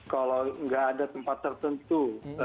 kalau nggak ada tempat tertentu